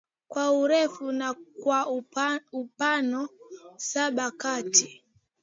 kwa urefu na kwa upana Saba kati